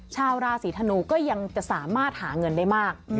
ชาวราศีธนูก็ยังจะสามารถหาเงินได้มาก